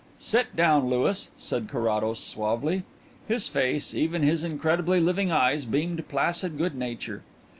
"Sit down, Louis," said Carrados suavely. His face, even his incredibly living eyes, beamed placid good nature.